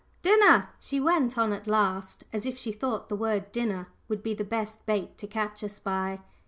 din ner!" she went on at last, as if she thought the word "dinner" would be the best bait to catch us by.